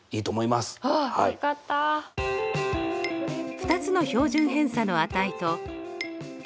２つの標準偏差の値と共